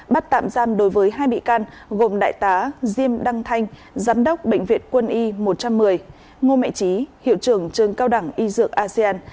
bắt tạm giam đối với hai bị can gồm đại tá diêm đăng thanh giám đốc bệnh viện quân y một trăm một mươi ngô mẹ trí hiệu trưởng trường cao đẳng y dược asean